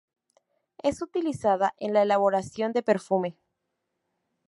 Es utilizada en la elaboración de perfume.